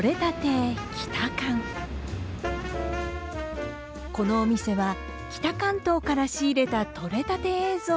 このお店は北関東から仕入れた撮れたて映像を味わえる場所です。